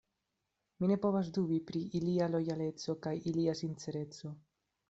Mi ne povas dubi pri ilia lojaleco kaj ilia sincereco.